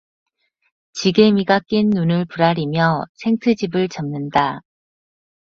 지게미가 낀 눈을 부라리며 생트집을 잡는다.